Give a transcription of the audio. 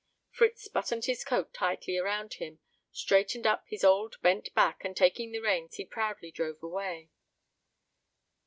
Fritz buttoned his coat tightly around him, straightened up his old bent back and taking the reins he proudly drove away.